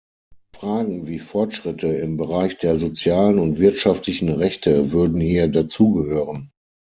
Fragen wie Fortschritte im Bereich der sozialen und wirtschaftlichen Rechte würden hier dazugehören.